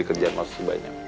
diri kerjaan mas banyak